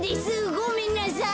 ごめんなさい。